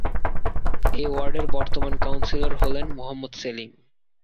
এ ওয়ার্ডের বর্তমান কাউন্সিলর হলেন মোহাম্মদ সেলিম।